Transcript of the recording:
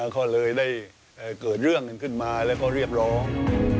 ก็เลยได้เกิดเรื่องกันขึ้นมาแล้วก็เรียกร้อง